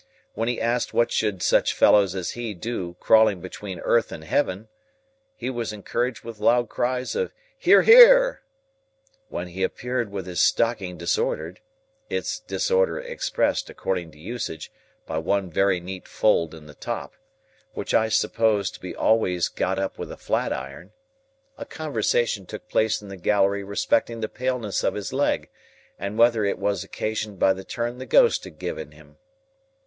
When he asked what should such fellows as he do crawling between earth and heaven, he was encouraged with loud cries of "Hear, hear!" When he appeared with his stocking disordered (its disorder expressed, according to usage, by one very neat fold in the top, which I suppose to be always got up with a flat iron), a conversation took place in the gallery respecting the paleness of his leg, and whether it was occasioned by the turn the ghost had given him.